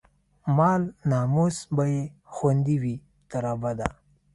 مال، ناموس به يې خوندي وي، تر ابده